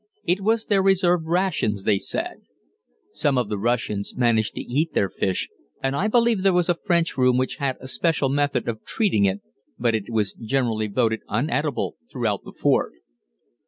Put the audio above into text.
It was their reserve rations, they said. Some of the Russians managed to eat their fish, and I believe there was a French room which had a special method of treating it, but it was generally voted uneatable throughout the fort.